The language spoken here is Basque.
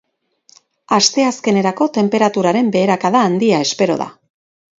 Asteazkenerako, tenperaturaren beherakada handia espero da.